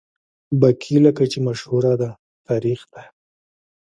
باقي لکه چې مشهوره ده، تاریخ دی.